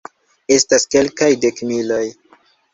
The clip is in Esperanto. Estas kelkaj dekmiloj.